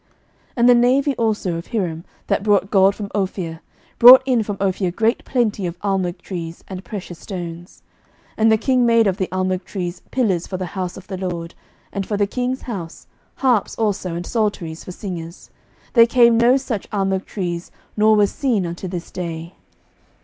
11:010:011 And the navy also of Hiram, that brought gold from Ophir, brought in from Ophir great plenty of almug trees, and precious stones. 11:010:012 And the king made of the almug trees pillars for the house of the LORD, and for the king's house, harps also and psalteries for singers: there came no such almug trees, nor were seen unto this day.